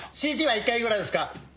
ＣＴは１回幾らですか？